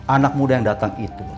anak muda yang datang itu